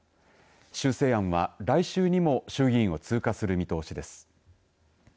修正案は来週にも衆議院を通過する見通しです。